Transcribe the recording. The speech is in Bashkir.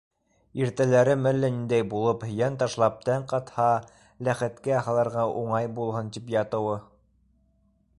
Иртәләрем әллә ниндәй булып, йән ташлап - тән ҡатһа, ләхеткә һалырға уңай булһын, тип, ятыуы.